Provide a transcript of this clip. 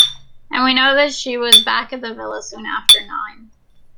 And we know that she was back at the villa soon after nine.